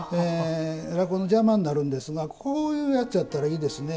落語の邪魔になるんですがこういうやつやったらいいですね。